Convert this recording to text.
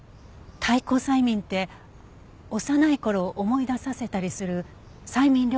退行催眠って幼い頃を思い出させたりする催眠療法の。